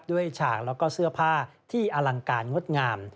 ฉากแล้วก็เสื้อผ้าที่อลังการงดงาม